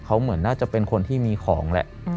เขาเหมือนน่าจะเป็นคนที่มีของแหละ